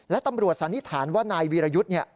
และตำรวจสันนิษฐานว่านายวีรยุทธ์เนี่ย